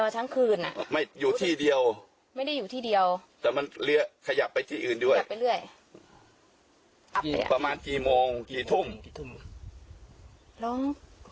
แต่พอตำรวจมาไม่ร้อง